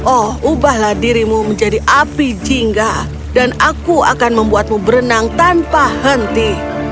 oh ubahlah dirimu menjadi api jingga dan aku akan membuatmu berenang tanpa henti